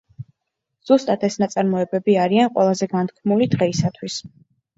ზუსტად ეს ნაწარმოებები არიან ყველაზე განთქმული დღეისათვის.